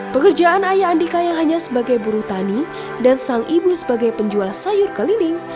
pekerjaan ayah andika yang hanya sebagai buru tani dan sang ibu sebagai penjual sayur keliling